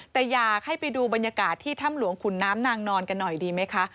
แต่อยากให้ไปดูบรรยากาศที่ถ้ำหลวงขุนน้ำนางนอนกันหน่อยดีไหมคะ